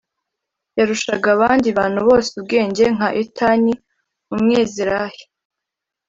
Yarushaga abandi bantu bose ubwenge nka Etani Umwezerahi